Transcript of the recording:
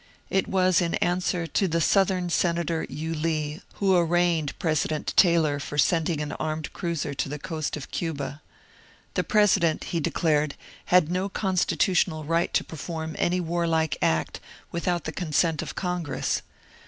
It was in answer to the Southern Senator Yulee, who arraigned President Taylor for sending an armed cruiser to the coast of Cuba. The President, he declared, had no constitutional right to perform any warlike act without the consent of Con gress.